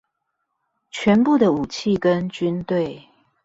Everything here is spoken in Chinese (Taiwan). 全部的武器跟軍隊